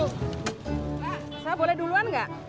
saya boleh duluan nggak